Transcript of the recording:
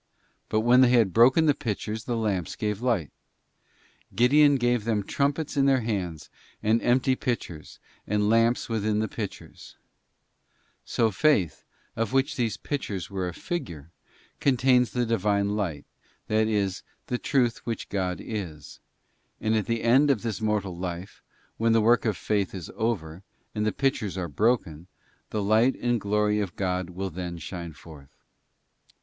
_ But when they had broken the pitchers the lamps gave light. Gideon 'gave them trumpets in their hands, and empty pitchers, and lamps within the pitchers.'|| So faith, of which these pitchers were a figure, contains the Divine light, that is, the Truth which God is; and at the end of this mortal life, when the work of faith is * 3 Kings viii. 10—12. + Exod. xix.9, { Job xxxviii.1; xl 1. § 1 Cor, xiii. 10, || Judg. vii. 16, b + God on then shine forth.